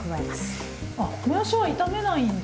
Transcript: あもやしは炒めないんだ！